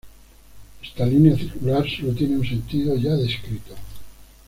Esta línea circular solo tiene un sentido ya descrito.